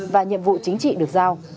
và nhiệm vụ chính trị được giao